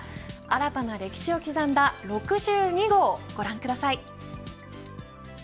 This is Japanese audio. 新たな歴史を刻んだ６２号をご覧ください。